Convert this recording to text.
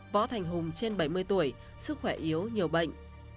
võ thành hùng trên bảy mươi tuổi sức khỏe yếu nhiều bệnh